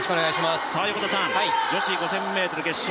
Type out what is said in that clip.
さあ、女子５０００ｍ決勝。